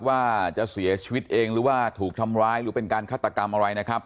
ว่าจะเสียชีวิตเองหรือว่าถูกทำร้ายหรือเป็นการฆาตกรรมอะไรนะครับ